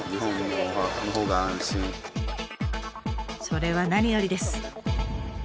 それは何よりです。